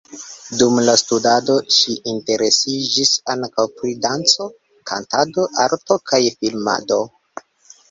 Dum la studado ŝi interesiĝis ankaŭ pri danco, kantado, arto kaj filmado.